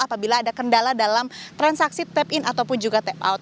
apabila ada kendala dalam transaksi tap in ataupun juga tap out